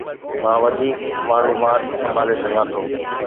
مان وڌيڪ معلومات سنڀالي سگهان ٿو